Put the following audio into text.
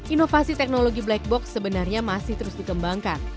inovasi teknologi black box sebenarnya masih terus dikembangkan